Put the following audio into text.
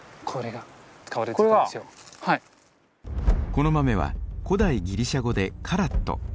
この豆は古代ギリシャ語でカラット。